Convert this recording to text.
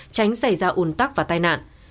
tránh xảy ra ủn tắc và tai nạn